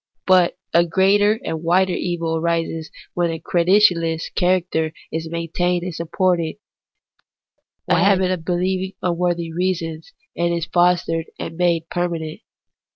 But a greater and wider evil arises when the credulous character is maintained and supported, when a habit of believing for unworthy reasons is fostered and made permanent.